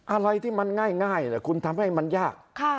อะไรที่มันง่ายคุณทำให้มันยาก